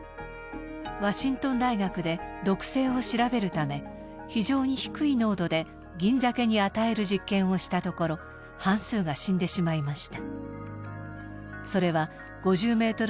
ワシントン大学で毒性を調べるため非常に低い濃度でギンザケに与える実験をしたところ半数が死んでしまいました。